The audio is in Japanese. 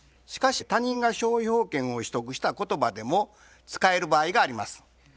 しかし他人が商標権を取得した言葉でも使える場合があります。